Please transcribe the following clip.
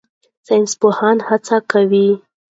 ساینسپوهان هڅه کوي.